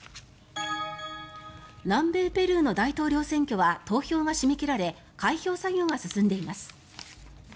南米ペルーの大統領選挙は投票が締め切られ開票作業が進んでいます。